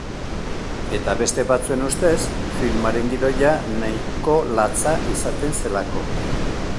Eta beste batzuen ustez, filmaren gidoia nahiko latza izaten zelako.